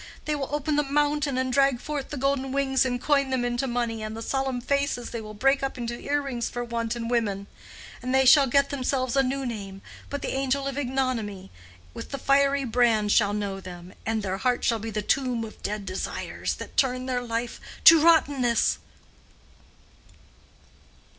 They will open the mountain and drag forth the golden wings and coin them into money, and the solemn faces they will break up into earrings for wanton women! And they shall get themselves a new name, but the angel of ignominy, with the fiery brand, shall know them, and their heart shall be the tomb of dead desires that turn their life to rottenness."